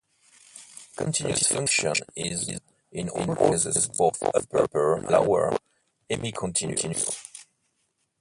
A continuous function is in all cases both upper and lower hemicontinuous.